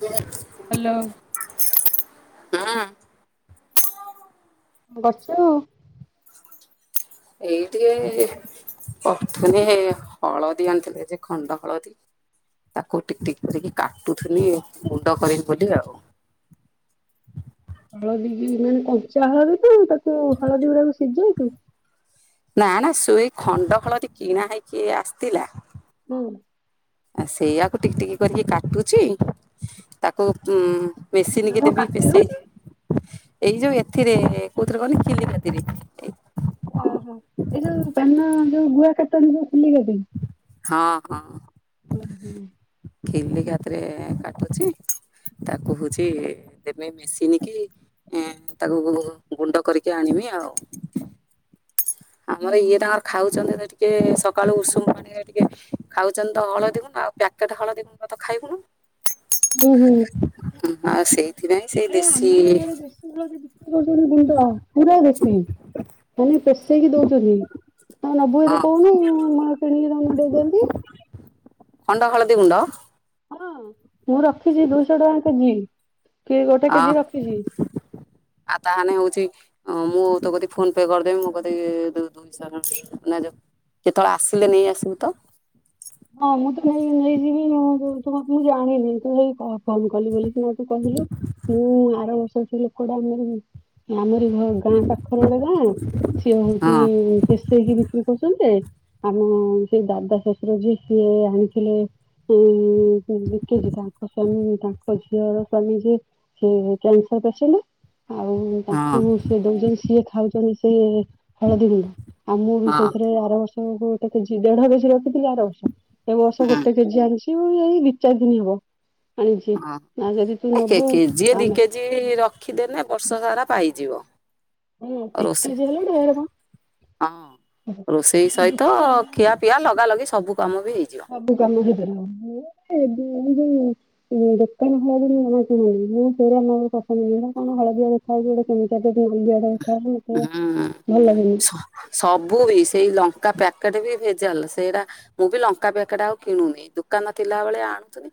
ତମେ ହ୍ୟାଲୋ ହୁଁ ବଛୁ ଏଇ ଟିକେ କରୁଥଥିଲେି ହଳଦୀ ଆଣିଥିଲେ ଯେ ଖଣ୍ଡ ହଳଦୀ ତାକୁ ଟିକ ଟିକ କରିକି କାଟୁଥିଲି ମୁଣ୍ଡ କରିକି ବୋଲି ଆଉ ହଳଦୀ ମାନେ କଞ୍ଚା ହଳଦୀ ତ ତାକୁ ହଳଦୀ ଗୁଡାକୁ ସିଝେଇଛୁ ନା ନା ଶଇ ଖଣ୍ଡ ଖଳରେ କିଣା ହେଇକି ଆସିଥିଲା ହଁ ଆ ସେଇଆାକୁ ଟିକ ଟିକ କରିକି କାଟୁଛି ତାକୁ ଉ ବେଶୀନ କେ ଆଉ ଦେବି କାଟି ବେଶୀ ଦଉଛୁ ଏଇ ଯୋଉ ଏଥିରେ କୋଉଥିରେ ଖିଲିକାତିରେ ଓହୋ ଏ ଯୋଉ ପାନ ଯୋଉ ଗୁଆ କାଟନ୍ତୀ ଯୋଉ ଖିଲି କାଟିତେ ହଁ ହଁ ଖିଲ ଖତିରେ କାଟି [unintelligible] ତାକୁ ହଉଛି ଦେମ ମେସିନ କିି ଏ ତାକୁ ଗୁଣ୍ଡ କରିକି ଆଣିବି ଆଉ ଆମର ଇଏ ଟାଙ୍କମର ଖାଉଛନ୍ତିିକେ ଟିକେ ସକାଳୁ ଉଷୁମ ପାଣିରେ ଟିକେ ଖାଉଛନ୍ତି ତ ହଳଦୀ ଗୁଣ୍ଡ ଆଉ ପ୍ୟାକେଟ ହଳଦୀ ବତ ତ ଖାଇବୁନ ହୁଁ ହୁଁ। ହୁଁ ହଉ ସେଇ। ଆ ଦେଶୀ ଆମର ଇଆଡେ ଦେଶ କରଛନ୍ତି ମୁଣ୍ଡ ପୁରା ଦେଶୀ। ତାଲେ ପେଷେଇକି ଦଉଛନ୍ତି। ଆଉ ନବୁ ହଁ ଏତେ କହୁନୁ ନହେଲେ ମୁଁ କିଣିକି ଦେଇଦିଅନ୍ତି ଖଣ୍ଡ ହଳଦୀ ଗୁଣ୍ଡ। ହଁ। ମୁଁ ରଖିଛି ଦୁଇଶହ ଟଙ୍କା କେଜି। କି ଗୋଟେ ଅ କେଜି ରଖିଛି। ଆଉ ତାହାନେ ହଉଛି। ହଁ ମୁଁ ତୋ କତିକି ଫୋନ ପେ କରିଦେବି ମୁଁ କତିକି ଦୁଇଶହ ଟଙ୍କ କେତେବେଳେ ଆସିଲେ ନେଇ ଆସିବୁ ତ। ହଁ ମୁଁ ତ ନେଇ ନେଇଯିବି ମୁଁ ଜାଣିନି ତୁ ନେଇ କଲ୍ କଲୁ ବୋଲି। ମ ତୁ କହିଲୁ ମୁଁ ଆର ବ ଲୋକ [unintelligible] ଆମର ଏ ଗାଁ ପାଖର ଗୋଟେ ଗାଁ ସିଏ ହଉଛି ହଁ ପେଷେଇକି ବିକ୍ରି କରୁଛନ୍ତି। ଆମ ସେଇ ଦାଦା ଶ୍ୱଶୁର ଯିଏ। ସିଏ ଆଣିଥିଲେ ଦେଛି ତାଙ୍କ ସଵାମୀ ତାଙ୍କ ଝିଅର ସ୍ଵାମୀ ଯେ ସେ କ୍ୟାନସର ପସେଣ୍ଟ। ଆଉ ହଁ ତାଙ୍କୁ ସେିଏ ଦଉଛନ୍ତି ସିଏ ଖାଉଛନ୍ତି। ସେ। ହଳଦୀ ଗୁଣ୍ଡ ଆଉ ମୁଁ ବି ହଁ ସେଇଥିରେ ଆର ବର୍ଷ। ହଉ ହଉ ତେ କେଜି ଦେଢ଼ କେଜି ରଖଥିଲିର ବର୍ଷ। ଏ ବର୍ଷ ହୁଁ ଗୋଟେ କେଜି ଆଣିଛି। କି ଏଇ ଦିଚାରି ଦିନ ହବ। ଆଣିଛି ହଁ ନା ଯଦି ତୁ ଏକ ନବୁ କେଜି ଆ ଦି କେଜି ରଖିଦେନ ବ ବର୍ଷ ସାରା ପାଇଯିବ। ହଁ ଦି ରୋଷେଇ କେଜି ହେଲେ ଢେରେ ମ। ହଁ ରୋଷେଇ ମୁଁ ସହିତ ଖିଆ ପିଆ ଲଗା ଲଗି ସବୁ ସବୁ। କବୁ କାମ [unintelligible] ଯଉ ଦୋକାନ ହଳ ବୋଲି ଜମା ଚାୁଣି ମୁଁ ସେଇରେ ଆମ ପସନ୍ଦ ନ କଣ ହଳଦଆ ଦେଖାାଯାଉଛି ଗୋଟେ କେମିତି। [unintelligible] ହୁଁ ଭଲ ଲାଗୁନି। ସବୁ ବି ସେଇ ଲଙ୍କା ପ୍ୟାକ୍ ପେକେଟ୍ ବି ଭେଜାଲ ସେଇଟା ମୁଁ ବି ଲଙ୍କା ପ୍ୟାକେଟ ଆଉ କିଣୁନି ଦୋକାନ ଥିଲାବେଳେଆ ଆଣୁୁଥୁନି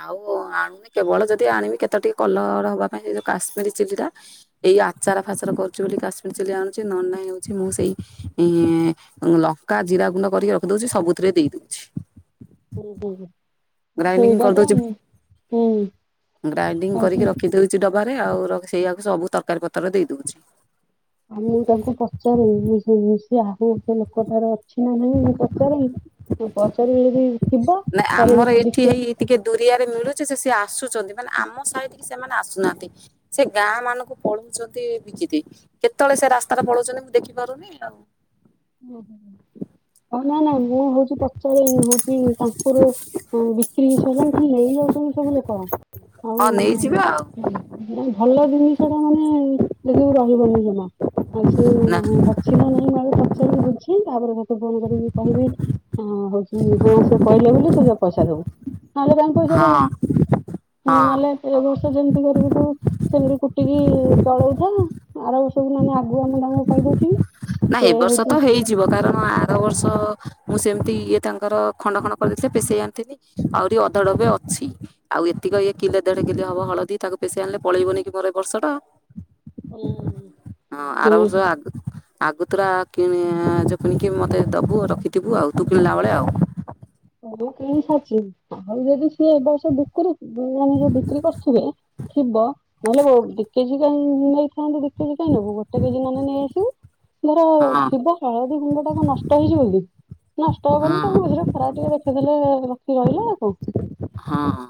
ଆଉ ଆଣୁନି କେବଳ ଯଦି ଆଣିମି କେତେ ଟିକେ କଲର ହବା ପାଇଁ ସେ ଯୋଉ କଶ୍ମୀରୀ ଚିଲି ଟା ଏଇ ଆଚାର। ଆଚାର କରୁଛି ବୋଲି କାଶ୍ମୀର ଚିଲି ଆଣୁଛି ନହେନ ନାଇଁ ହେଉଛି ମୁଁ ସେଇ ଲଙ୍କା ଜିରା ଗୁଣ୍ଡ କରିକି ରଖି ଦଉଛି ସବୁଥିରେ ଦେଇ ଦଉଛି। ହୁଁ ହୁଁ ହ। ଗ୍ରାଇଣ୍ଡିଙ୍ଗ କରିଦଉଛି ହୁଁ ଗ୍ରାଇଣ୍ଡିଙ୍ଗ କରିକି ହଉଛି। ରଖି ଦଉଛି ଡବାରେ। ଆଉ ସେଇଆକୁ ସବୁ ତରକାରୀ ପତ୍ର ଦେଇ ଦଉଛି। ଆମେ ତାଙ୍କୁ ପଚାରୁୁ ମିଶି ଆ ସେ ଲୋକଟାର ଅ ଅଛି ନା ନଁ ମୁଁ ପଚାରେ ହଁ ପଚାରିବ ଯଦି ଥିବ ନା ତାହେଲେ ଆମର ଏଠି ଦେଖି ହେଇ ଟିକେ ଦୁରିଆରେ ମିଳୁଚି ସେ ସି ଆସୁଛନ୍ତି ମାନେ ଆମ ସହିଡ କି ସେମାନେ ଆସୁନାହାନ୍ତି ସେ ଗାଁ ମାନଙ୍କୁ ପଳଉଛନ୍ତି ବିକିରି କେତେବେଳେ ସେ ରାସ୍ତାରେ ପଳଉଛନ୍ତି ମୁଁ ଦେଖିପାରୁନି ଆଉ ଓହୋ ହୋ ହଁ ନା ନାଁ ମୁଁ ହଉଛି ପଚାରେ ହଉଛି ତାଙ୍କର ବିକ୍ରି ସରିଲାଣି ଖାଲି ନେଇଯାଉଚ ତୁମେ ସବୁ ଲୋକ ହଁ ନେଇଯିବେ ଆଉ ହଉ। ଭଲ ଜିନିଷ ଟା ମାନେ ସେ ରହିବନି ଜମା ଆଉ ସେ ନା ଅଛି ନା ନାଇଁ ମୁଁ ଆଗେ ପଚାରେ ଅଛି ତାପରେ ତାତେ ଫୋନ କରିକି କହିବି ହଉଛି ହଁ ସେ କହିଲେ ବୋଲି ତୁ ମତେ ପଇସା ଦବୁ ଆମେ କାଇଁ ପଇସା ଦୋବୁ ହଁ ହଁ। ନହେଲେ ଏ ବର୍ଷ ଯେମିତି କରିକି ଦୋବୁ ସେମିତି କୁଟିକି ପାଲୋଉଚ ଆର ସବୁ ମାନେ ଆଗୁଆ ମୁ ତାଙ୍କୁ କହିଦେଇଥିବି ନା ସେ ଏ ବର୍ଷ ହଉଛି ହଁ ହେଇଯିବ କାରଣ ଆର ବର୍ଷ ମୁଁ ସେମିତି ଇଏ ତାଙ୍କର ଖଣ୍ଡ ଖଣ୍ଡ କରିଦେଇଥିଲେ ପେସେଇ ଆଣିିଥିଲି ଆହୁରି ଅଧାଡବେ ଅଛି ଆଉ ଏତିକି ଇଏ କିଲେ ଦେଢ କିଲେ ହବ ହଳଦୀ ତାକୁ ପେସେଇ ଆଣିଲେ ପଳେଇବନି କି ମୋର ଏ ବର୍ଷଟା ହୁଁ ହଁ ଆର ବର୍ଷ ହୁଁ ଆଗ ତୁର କି କିଣିକି ମତେ ଦବୁ ରଖିଥିବୁ ଆଉ ତୁ କିଣିଲା ବେଳେ ଆଉ ହ ମୁଁ କିଣିସଚି ଆଉ ଯଦି ସିଏ ଏବ ବର୍ଷ ବୁକ୍ କରୁ ମାନେ ଯୋଉ ବିକ୍ରି କରୁଥିବେ ଥିବ ନହେଲେ କୋ କେଜି କଁ ନେଇଥାନ୍ତ ଦି କେଜି କାହିଁ ନବୁ ଗୋଟେ କେଜି ନହେ ନେଇ ଆସିବୁ ମୋର ହଁ ଥିବ ହଳଦୀ ଗୁଣ୍ଡ ଟା କ ନଷ୍ଟ ହେଇଛି ବୋଲି ନଷ୍ଟ ହଁ ହବନି ତାଙ୍କ ମଝିରେ ଟିକେ ଦେଖିଦେଲେ ରଖି ରହିଲା ଆଉ କଣ? ହଁ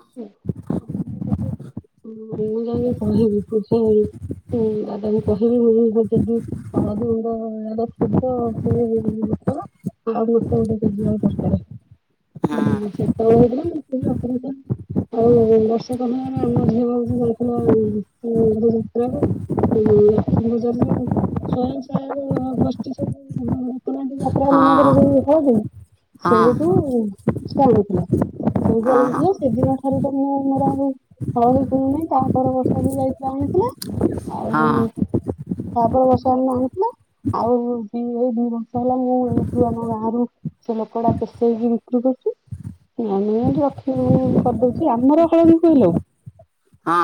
ମୁଁ ମୁଁ ଯାଇକି କହିବି ସେଇ ଦାଦାଙ୍କୁ କହିବି ଯି ଆଦା ସୁିଧ ସେ ଆଡ ଗୋଟ ଯ ଦରକାରାରେ ହଁ ସେତ ହେଥିଲା ଆଉ ବର୍ଷ କ ହେ ଆମ ଝିଅ ହଉଛି ଯାଇଥିଲା ଗଜାତୁର ଗୟଂ ଗୋଷ୍ଠୀ ସବୁ ତୁର ଯାତ୍ରା ହଁ ହଁ ମାନଙ୍କରେ ଯୋଉଥାଉନ ହଁ ସେଇ କଥିଲଥିଲା। ତୁ ବି ହଁ ଆଣିଥିଲୁ ସେଦିନ ଠାରୁ ମୁଁ ମୋର ହଳ ବି କଲୁନହି ତା ପର ବର୍ଷ ବି ଯାଇଥିଲା ଆଣିଥିଲେ। ହଁ ଆଉ ତାପରେ ବର୍ଷା ହେ ଆଣିଥିଲା ଆଉ ଦ ଏଇ ଦି ବର୍ଷା ହେଲା ମୁଁ ଏଇ ଯୁ ଆମ ଗାଁ ରରୁ ସେ ଲୋକଡା ସେଇକି ବିକ୍ରି କରୁଛି ଆମେ ରଖିବ କରିଦଉଛି ଆମର ହଳଦୀ କୁହିଲ ହଁ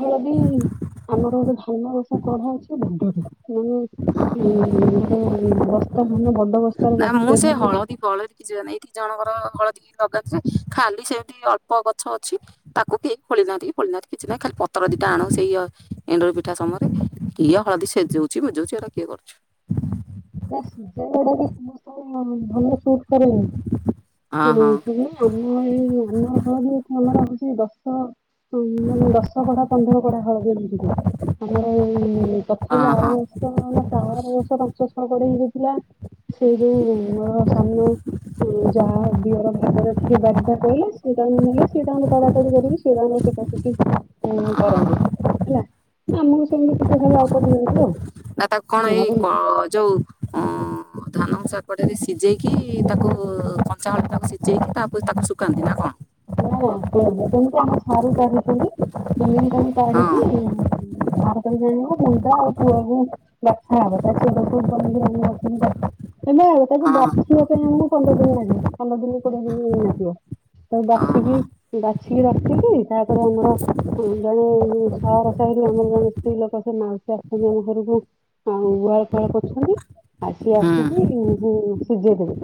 ଯଦି ଆମର ଗୋଟେ ଧାନ ବସା କଢା ଅଛି ବଡଟେ ମାନେ ଉ ଗୋଟେ ବସ୍ତା ଧାନ ବଡ ବସ୍ ନା ମୁଁ ସେ ହଳଦୀ ବଳରେ କିଛି ଜ ନାଇଁ ଦି ଜଣଙ୍କର ହଳଦୀ ଲଗାଯଥିଲେ ଖାଲି ସେମଠତି ଅଳ୍ପ ଗଛ ଅଛି ତାକୁ କେହି ଖୋଳି ନାହାନ୍ତି କି ଖୋଳି ନାହାନ୍ତି କିଛି ନାହିଁ ଖାଲି ପତ୍ର ଦିଟା ଆଣୁ ସେଇ ଏଣ୍ଡୁଳି ପିଠା ସମୟରେ କି ହଳଦୀ ସେଜଉଛି ବଜଉଛି ଏଇଟା କିଏ କରୁଛି। ବେଶ ଯେ ସମସ୍ତ ଭଲ ସୁଟ ହଁ ହଁ କରେନି ଆମ ଏଇ ଆମ ହଳ ବି ମନ ରହୁଛି ଦଶ ହଁ ହଁ ମାନେ ଦଶ କଢା ପନ୍ଦର କଢା ହଳବୀ ଏମିତି ଆମର ପଛ ହଁ ଆର ବର୍ଷ ନା ଚାର ବର୍ଷ ପାଞ୍ଚ ଥିଲା ସେଇ ଯୋଉ ମୋର ସାନ ଯାହା ଦଅର ଭାଗରେ ବାରିଟା କହିଲେ ସେ ତାାଙ୍କୁ ନେଲେ ସେ ତାାଙ୍କ ତଡା ତଡି କରିକି ସେ ତାାଙ୍କର କୋସି ଉଁ ହଁ କରନ୍ତି ହଁ। ହେଲା ଆମକୁ ସେମିତି ଟିକେ ଖ ଅଳ୍ ଦିଅନ୍ତି ଆଉ ନା ତା କଣ ଏଇ ନହେଲେ କ ଯୋଉ ଓ ଧାନ ସପଟରେ ସିଝେଇକି ତାକୁ କଞ୍ଚାାମଳ ତାକୁ ସିଝେଇକି ତାପରେ ତାକୁ ଶୁଖାନ୍ତି ନା କଣ? ମିତି ଆମ ାରୁ କାଢୁଛନ୍ତି ସେମିତି ତାମେ ହଁ କାଢିକି ବାହାର ପାଇଁ ଜାଣିବ ମୁଣ୍ଡା ଆଉ ପୁଅକୁ ବାଛାହବ ତା ଝିଅର ସବୁ କିକି ଆମେ ହେବେ ତାକୁ ହଁ ବାଛିବା ପାଇଁ ଆମକୁ ପନ୍ଦର ଦିନ ଲାଗେ ପନ୍ଦର ଦିନ କୋଡିଏ ଦିନ ହେଇ ନଥିବ। ତା ଓହୋ ବାଛିକି ବାଛିକି ରଖିଲି ତାପରେ ଆମର ଜଣେ ସହର ସାହି ଆମର ଜଣେ ସ୍ତ୍ରୀ ଲୋକ ସେ ମାଉସୀ ଆସିଛନ୍ତି ଆମ ଘରକୁ ଆଉ ଗୁହାଳ ଫୁହାଳ କରଛନ୍ତି। ଆଜି ହୁଁ ଆସିକି ହୁଁ ସିଝେଇଦବେ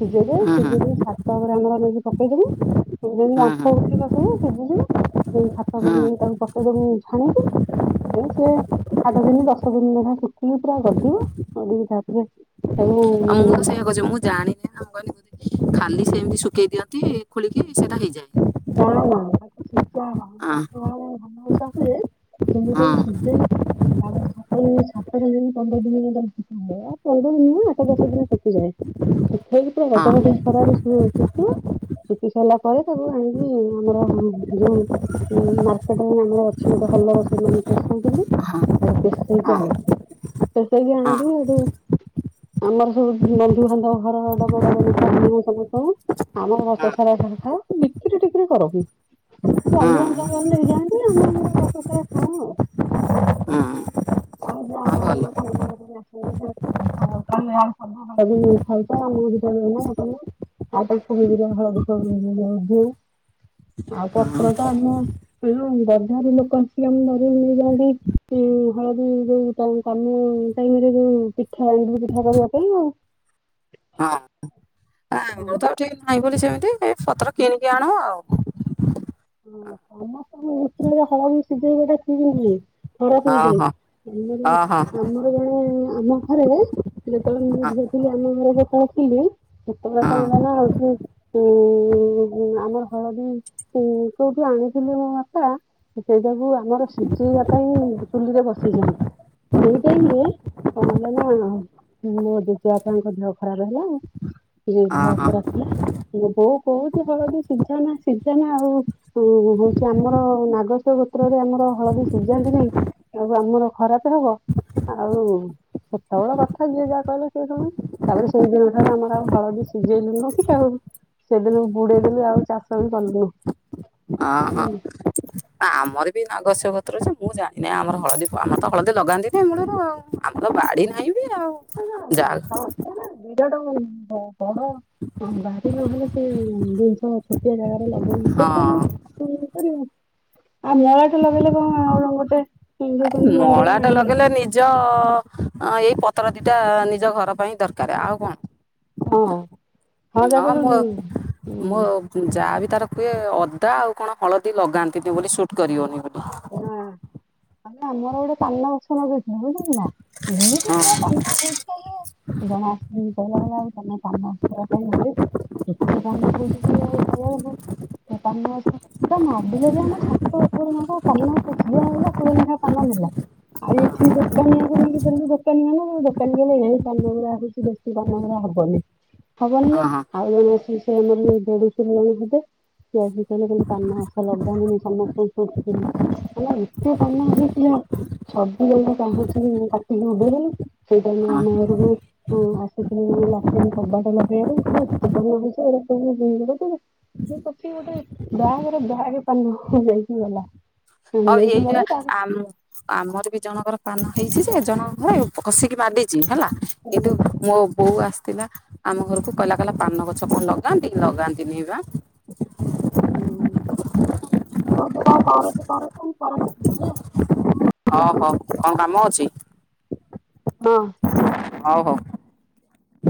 ସିଝେଇଦବେ ହୁଁ ହୁଁ ସିଝେଇଦବେ ସାତରେ ଆମର ନେଇକି ପକେଇଦବ ଯେି ହୁଁ ହୁଁ ମାଫ ଉଠିବ ସବୁ ସିଝିଯିବ ସେ ଛାାତ ହୁଁ ନେଇ ତାକୁ ପକେଇବ ଛାଣିବି ସି ଆଠ ଦିନ ଦଶ ଦିନ ଦୋ ଶୁଖିଲି ପୁରା ଗଦିବ ଗଧିକି ତାପରେ ତାକୁ ହ ସେ କଛଛିଁ ଜାଣିନି ଆ କହି ଖାଲି ସେମ ଶୁଖେଇ ଦିଅନ୍ତି ଖୋଳିକି ସେଇଟା ହେଇଯାଏ। ନା ନା ତାକୁ ଶୁଖେଇବାର ହଁ ନାହିଁ [inaudible] ତାକୁ କେମିତି ହଁ ତାକୁ ସିଜେଇ କରି ତାପରେ ସାତ ସାତଟିନ ପନ୍ଦର ଦିନ ଶୁଖିଲେ ଆଉ ପନ୍ଦର ଦିନ ଆଠ ଦଶ ଦିନ ଶୁଖିଯାଏ ଶୁଖେଇକି ପୁରା ହଁ ଗୋଟେ ଦିନ ଖରାରେ ସେ ଶୁଖିବ ଶୁଖି ସାରିଲା ପରେ ତାକୁ ଆ ହଁ ଆମର ଯୋଉ ମାର୍କେଟରେ ଆମର ଅଛି ଗୋଟେ ହୋଲରସେଲ ମାନେ ସେଠାରେ ପିସନ୍ତିନି ହଁ ଏଇଟା ହଁ ପଷେଇକି ହଁ ଆଣନ୍ତି ଏଠୁ ଆମର ସବୁ ବନ୍ଧୁ ବାନ୍ଧ ଘରର [inaudible] ବଡ ନଥା ସମ ଆମର ରଷ ସାରାଥା ଟିକରି ଟିକିରି କରନ୍ତି ସେ ହଁ ଅ ଜାଗର ଲ ଯାଆନ୍ତି ଆମଙ୍କର ବସସା ଖାଅ ଆଉ [unintelligible] ହଁ ହଁ ଛ ଭଲ ଆଉ ହଳଦୀ ସବ ଆଉ ପତ୍ର ତା ଆମ ଗଧାରୁ ଲୋକ ଆସିକି ହଁ ଆମ ଧର ମିଳିଯଆନ୍ତି। [unintelligible] [inaudible] ଆମେ ଯୋଉଁ ଟାଇମ ଟାଇମରେ ପାଳେ ଯୋଉ ପିଠା ଏଣ୍ଡୁରୀ ପିଠା କରିବା ପାଇଁ ଆଉ ହଁ ମୁଁ ତ ଠିକ ନାହିଁ ବୋଲି ସେମିତି ଏ ପତ୍ର କିଣିକି ଆଣୁ ଆଉ ହଁ ଗ୍ରୀଷ୍ମ ଉତୁରରେ ହଳଦି ସିଯେକି ଢାକିବ ନି ଖରାପ ହଁ ହେଇଯାଏ ହଁ। ଓହୋ ଆମ ଆମର ଜଣେ ଆମ ଆରେ ଯେତେବେଳେ ମୁଁ ହଁ ବୁଝେଇଥିଲି ଆମର [inaudible] ହଁ କିରେ କେତେବେଳେ କଣ ହଁ ହେଲା ନା କି? ଉମ ଆମର ହଳଦୀ କୋଉଠି ଆଣିଥିଲି ମୋ ବାପା ସେଇଗୁଡ଼ାକୁ ସେତେବେଳେ ଆମର ସିଝେଇବା ପାଇଁ ଚୁଲିରେ ବସେଇଛନ୍ତି ସେଇ ଟାଇମ ରେ କଣ ହେଲା ନା ମୋ ଜେଜେ ବାପାଙ୍କ ଦେହ ଖରାପ ହେଲା ଜେଜେ ଦେହ ଓହୋ ଖରାପ ହେଲା ମୋ ବଉ କୋଉଛି ହଳଦି ସିଝନା ସିଝନା ଆଉ ହଉଛି ଆମର ନାଗସ୍ୟ ଗତ୍ରରେ ଆମର ହଳଦୀ ସିଝାନ୍ତି ନାହିଁ ଆକୁ ଆମର ଖରାପ ହବ ଆଉ ସେତେବେଳ କଥା ଯିଏ ଯାହା କହିଲ ସିଏ ଶୁଣେ ତାପରେ ସେଇ ଦିନ ଠାରୁ ଆମର ଆଉ ହଳଦୀ ସିଝେଇଲୁନୁ କି ସେଦିନୁ ବୁଡେଇ ଦେଲୁ ଆଉ ଚାଷ ବି କଲୁନୁ ହଁ ହଁ ନା ଆମର ବି ନାଗସ୍ୟ ଗୋତ୍ର ଯେ ମୁଁ ଜାଣେନି ଆମର ହଳଦୀ ଆମର ତ ହଳଦୀ ଲଗାନ୍ତିନି ମୂଳରୁ ଆଉ ଆମ ତ ବାଡି ନାହିଁ ବି ଆଉ ଜା ସେଟାକୁ ବଡ଼ ବାରି ନହେଲେ ସେ ଜିଣିଷ ଛୋଟିଆ ଜାଗା ହଁ [inaudible] ଆଉ ମଳଟୋ ଲଗେଇଲେ କଣ ଆଉ ଗୋଟେ ଯୋଉ କହନ୍ତି ମାଣ୍ଡିଆରେ ମଳାଟ ମାଣ୍ଡିଆ ହବ। ଲଗେଇଲେ ନିଜ ଏଇ ପତ୍ର ଦିଇଟା ନିଜ ଘର ପାଇଁ ଦରକାର ଆଉ କଣ ହଁ ହଁ ନ ଯା କହିଲୁ ମୁଁ ମୁଁ ହୁଁ ଯାହା ବି ତାର କୁଏ ଅଦା ଆଉ କଣ ହଳଦୀ ଲଗାନ୍ତିନି ବୋଲି ସୁଟ୍ କରିବନି ବୋଲି ହଁ ଆମର ଗୋଟେ ପାନ ଗଛ ବୁଝି ଏମିତି କାମ ହେଇ ଜଣ ଆସି କହିଲ ବଉ ତମେ କାମ କରିବା ପାଇଁ [inaudible] କାମ ହଉଥିଲେ [unintelligible] ଆମ ଛାତ ଉପରେ ନବ ପାନ ସେଝିଏ ଆଇଲା ପୁଳେ ଲେଖା ପାନ ନେଲା ଆଉ ଏଠି ଦୋକାନୀଆକୁ ନେଇକି ଦେଲୁ ଦୋକାନୀ ବାଲା ଦୋକାନୀ ଗଲେ ଏଇ ପାନ ଗୁଡା ହଉଛି ବେଶୀ ପାନ ଗୁଡା ହବନି। ହବନି ଯେ ହଁ ହଁ ଆଉ ଜଣେ ଆସି ସେ ଆମର ଯୋଉ ଦେଢଶୁର ହେବେ ସେ ଆସି କହିଲେ କହିଲେ ପାନ ଲକଡାଉନ [unintelligible] ମାନେ ଏତେ ପାନ ହେଇଛି [unintelligible] କାଟିକି ଉଡ଼େଇ ଦେଲୁ ସେଇ ଟାଇମ୍ ରେ ଆସିଥିଲେ ହଁ ଆମ ଘରୁକୁ ଆସିଥିଲେ ଜଣେ ଲାଟିନ୍ କବାଟ ଲଗେଇବାକୁ ଏତେ ପାନ ହେଇଛି [unintelligible] ଗୋଟେ ବ୍ୟାଗରେ ବ୍ୟାଗେ ପାନ ନେଇକି ଗଲା। ହଉ ନେଇକି ଏଇ ଗଲା [unintelligible] ତାପରେ ଆମୁ ଆମର ବି ଜଣଙ୍କର ପାନ ହେଇଛି ଯେ ଜଣଙ୍କ ଘର ଏ କଷିକି ମାଡିଛି ହେଲା କିନ୍ତୁ ଉଁ ମୋ ବୋଉ ଆସି ଥିଲା ଆମ ଘରକୁ କହିଲା କହିଲା ପାନ ଗଛ କଣ ଲଗାନ୍ତି ଲଗାନ୍ତି ନି ବା। ହୁଁ ହଉ ତୁ କଣ କରୁଚୁ କରୁଚୁ ମୁଁ ପରେ କଥା ହେବି ହେଲା। ହଁ ହଉ କଣ କାମ ଅଛି ହଁ ହଉ ହଉ